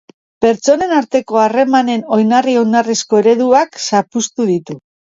Pertsonen arteko harremanen oinarri-oinarrizko ereduak zapuztu ditu.